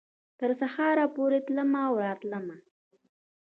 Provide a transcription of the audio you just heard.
تر سهاره پورې تلمه او راتلمه